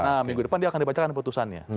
nah minggu depan dia akan dibacakan putusannya